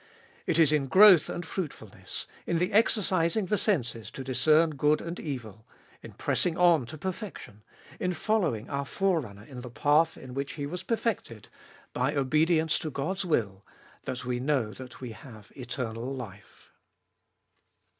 It is in growth and fruitfulness, in the exercising the senses to discern good and evil, in pressing on to perfection, in following our Forerunner in the path in which He was perfected, by 210 abe Doliest of obedience to God's will, that we know that we have eternal life.